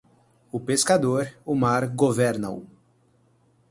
O pescador, o mar, governa-o.